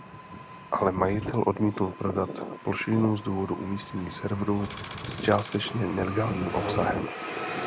Ale majitel odmítnul prodat plošinu z důvodu umístění serverů s částečně "nelegálním" obsahem.